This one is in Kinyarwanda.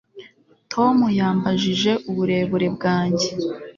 Tom yambajije uburebure bwanjye